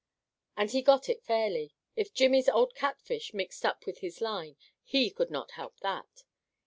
And he got it fairly. If Jimmy's old catfish mixed up with his line, he could not help that.